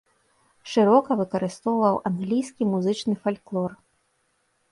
Шырока выкарыстоўваў англійскі музычны фальклор.